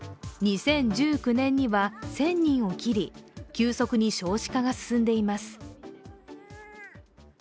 ２０１９年には１０００人を切り急速に少子化が進んでいます。